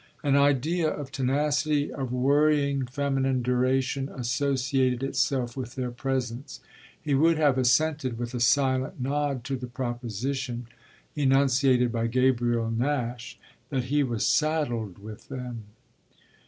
An idea of tenacity, of worrying feminine duration, associated itself with their presence; he would have assented with a silent nod to the proposition enunciated by Gabriel Nash that he was saddled with them.